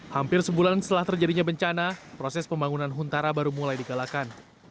hampir sebulan setelah terjadinya bencana proses pembangunan huntara baru mulai digalakan